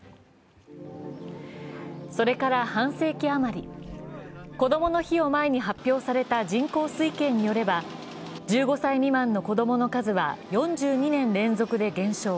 それから半世紀余り、こどもの日を前に発表された人口推計によれば、１５歳未満の子供の数は４２年連続で減少。